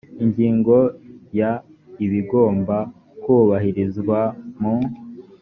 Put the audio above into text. ingingo ya ibigomba kubahirizwa mu